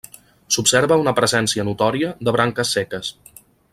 S'observa una presència notòria de branques seques.